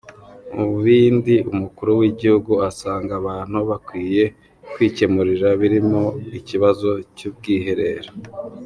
Mu bindi umukuru w’igihugu asanga abantu bakwiye kwikemurira birimo ikibazo cy’ubwiherero.